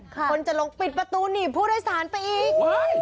คนจะลงปิดประตูหนีบผู้โดยสารไปอีก